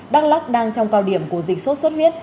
đắk lắc đang trong cao điểm của dịch sốt xuất huyết